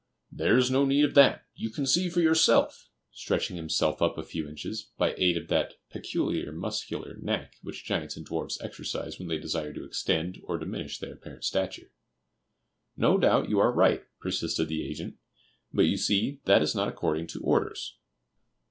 "There's no need of that, you can see for yourself," stretching himself up a few inches, by aid of that peculiar muscular knack which giants and dwarfs exercise when they desire to extend or diminish their apparent stature. "No doubt you are right," persisted the agent; "but you see that is not according to orders."